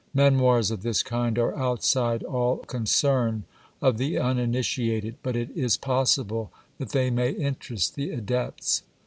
Memoirs of this kind are outside all concern of the uninitiated, but it is possible that they may interest the adepts.